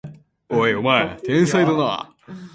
おい、お前天才だな！